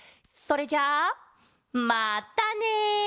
それじゃまったね！